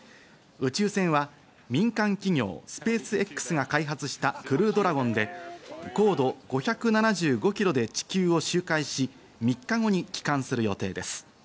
宇宙船は民間企業スペースＸが開発したクルードラゴンで、高度５７５ｋｍで地球を周回し、３日後に帰還する予定です。